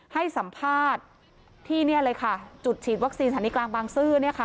ให้สัมภาษณ์ที่นี่เลยค่ะจุดฉีดวัคซีนสถานีกลางบางซื่อ